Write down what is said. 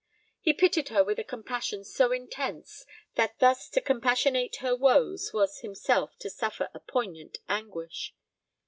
He pitied her with a compassion so intense, that thus to compassionate her woes, was himself to suffer a poignant anguish.